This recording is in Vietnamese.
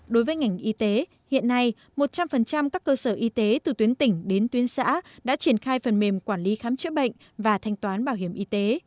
đối với ngành y tế hiện nay một trăm linh các cơ sở y tế từ tuyến tỉnh đến tuyến xã đã triển khai phần mềm quản lý khám chữa bệnh và thanh toán bảo hiểm y tế